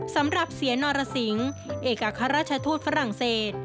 สำหรับเสียนรสิงศ์เอกอัครราชทูตฝรั่งเศส